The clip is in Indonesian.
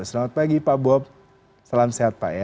selamat pagi pak bob salam sehat pak ya